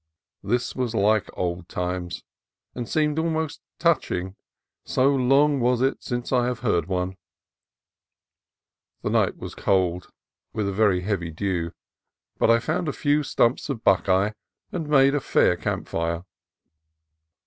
This was like old times, and seemed almost touching, so long was it since I had heard one. The night was cold, with a very heavy dew, but I found a few stumps of buckeye and made a fair camp fire.